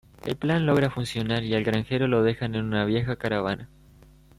El plan logra funcionar y al Granjero lo dejan en una vieja caravana.